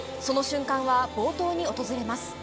その瞬間は、冒頭に訪れます。